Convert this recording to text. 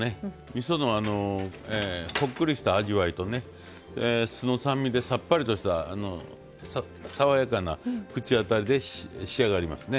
みそのこっくりした味わいとね酢の酸味でさっぱりとした爽やかな口当たりで仕上がりますね。